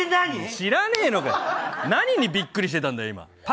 知らないのかよ、何にびっくりしてんだよ。